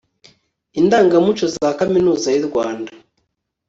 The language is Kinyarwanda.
indangamuco za kaminuza y'u rwanda